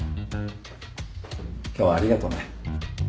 今日はありがとね。